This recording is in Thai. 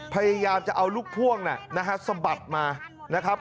พยายามจะเอาลูกพ่วงนะฮะสะบัดมานะครับ